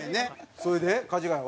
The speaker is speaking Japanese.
それで、かじがやは？